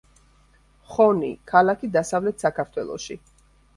ხონი, ქალაქი დასავლეთ საქართველოში.